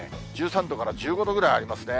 １３度から１５度ぐらいありますね。